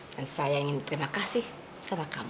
dan saya ingin berterima kasih sama kamu